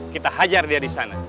kita hajar dia di sana